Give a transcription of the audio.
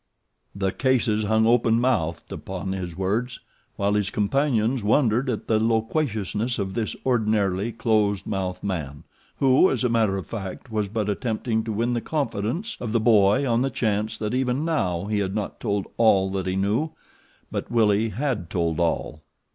The Cases hung open mouthed upon his words, while his companions wondered at the loquaciousness of this ordinarily close mouthed man, who, as a matter of fact, was but attempting to win the confidence of the boy on the chance that even now he had not told all that he knew; but Willie had told all.